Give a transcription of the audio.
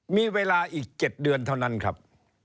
มีเวลาอีก๗เดือนเท่านั้นครับ